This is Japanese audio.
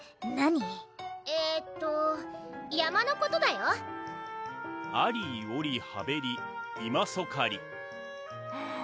えっと山のことだよあり・をり・はべり・いまそかりはぁ？